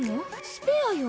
スペアよ。